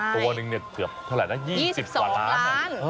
ตัวนึงเนี่ยเกือบเท่าไหร่นะ๒๐กว่าล้าน